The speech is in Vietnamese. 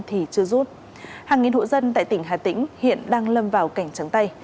hàng nghìn hộ dân tại tỉnh hà tĩnh hiện đang lâm vào cảnh trắng tay